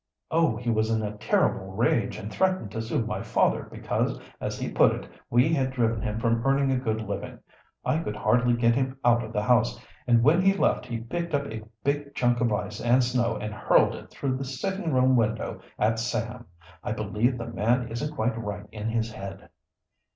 "Oh, he was in a terrible rage, and threatened to sue my father because, as he put it, we had driven him from earning a good living. I could hardly get him out of the house, and when he left he picked up a big chunk of ice and snow and hurled it through the sitting room window at Sam. I believe the man isn't quite right in his head."